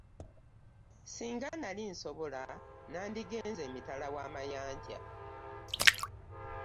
singa nnali nsobola nnandigenze e mitala w'amayanja.